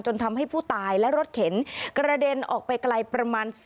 ทำให้ผู้ตายและรถเข็นกระเด็นออกไปไกลประมาณ